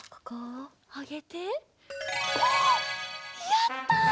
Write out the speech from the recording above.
やった！